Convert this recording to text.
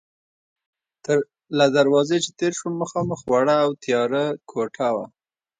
له دروازې چې تېر شوم، مخامخ وړه او تیاره کوټه وه.